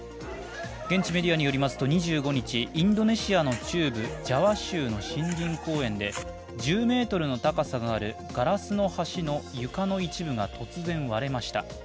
現地メディアによりますと２５日、インドネシアの中部ジャワ州の森林公園で、１０ｍの高さがあるガラスの橋の床の一部が突然割れました。